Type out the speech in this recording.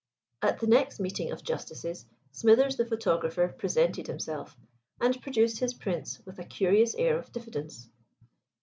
At the next meeting of Justices Smithers the photographer presented himself, and produced his prints with a curious air of diffidence.